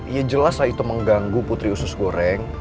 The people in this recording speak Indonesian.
ya jelas lah itu mengganggu putri usus goreng